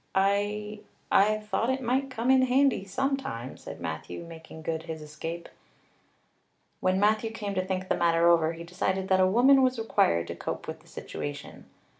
"I I thought it might come in handy sometime," said Matthew, making good his escape. When Matthew came to think the matter over he decided that a woman was required to cope with the situation.